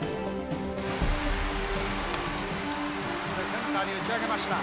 センターに打ち上げました。